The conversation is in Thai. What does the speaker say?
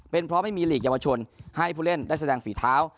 เป็นเพราะไม่มีหลีกเยาวชนให้ผู้เล่นได้แสดงฝีเท้า